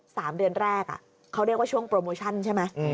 สามเดือนแรกอ่ะเขาเรียกว่าช่วงโปรโมชั่นใช่ไหม